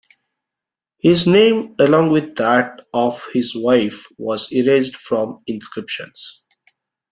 His name, along with that of his wife, was erased from inscriptions.